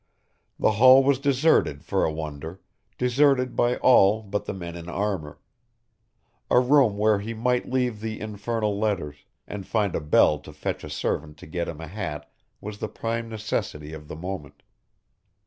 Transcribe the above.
The hall was deserted for a wonder, deserted by all but the men in armour. A room where he might leave the infernal letters, and find a bell to fetch a servant to get him a hat was the prime necessity of the moment.